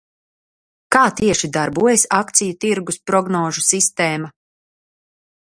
Kā tieši darbojas akciju tirgus prognožu sistēma?